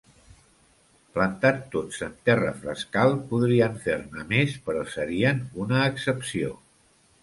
Plantats tots en terra frescal podrien fer-ne més però serien una excepció.